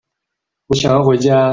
我想要回家